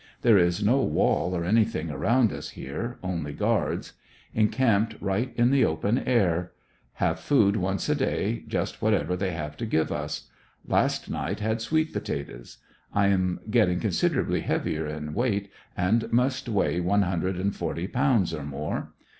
There is no wall or anything around us here, only guards. Encamped right in the open air. Have food once a daj^ just what ever they have to give us. Last night had sweet potatoes. I am getting considerably heavier in weight, and must w^eigh one hun dred and forty pounds or more.